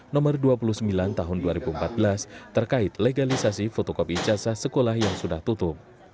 nomor dua puluh sembilan tahun dua ribu empat belas terkait legalisasi fotokopi ijasa sekolah yang sudah tutup